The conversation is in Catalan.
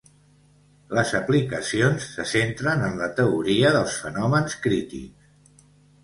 Les aplicacions se centren en la teoria dels fenòmens crítics.